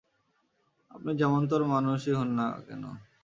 আপনি যেমনতর মানুষই হোন না কেন।